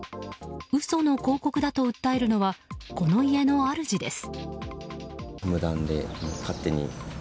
嘘の広告だと訴えるのはこの家の主です。